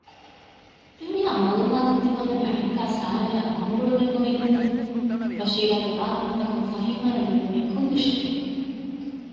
ތިހުރިހާ މަޢްލޫމާތު ތިހޯދަނީ އަނެއްކާ ސަރާއާ ކޮން ގުޅުމެއް އޮވެގެންތަ؟ ބަޝީރާގެ ވާހަކަތަކުން ފަހީމާއަށް ލިބުނީ ކުއްލި ޝޮކެއް